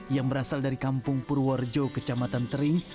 yang berasal dari kampung purworejo kecamatan tering